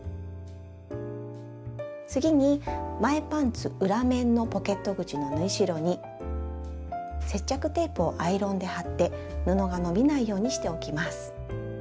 次に前パンツ裏面のポケット口の縫い代に接着テープをアイロンで貼って布が伸びないようにしておきます。